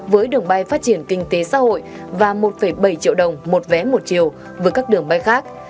với đường bay phát triển kinh tế xã hội và một bảy triệu đồng một vé một chiều với các đường bay khác